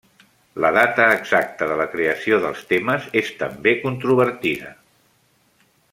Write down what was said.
La data exacta de la creació dels temes és també controvertida.